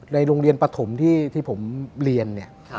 โรงเรียนปฐมที่ผมเรียนเนี่ย